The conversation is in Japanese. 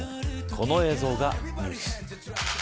この映像がニュース。